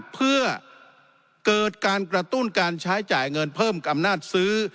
เพื่อเกิดการกระตุ้นการใช้จ่ายเงินเพิ่มอำนาจซื้อ